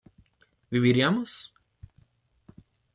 ¿viviríamos?